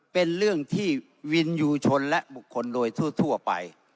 เป็นเรื่องที่วินยูชนและบุคคลโดยทั่วไป